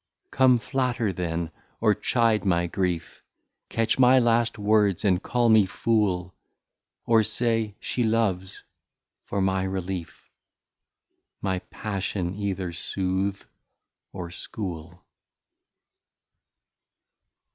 Come Flatter then, or Chide my Grief; Catch my last Words, and call me Fool; Or say, she Loves, for my Relief; My Passion either sooth, or School.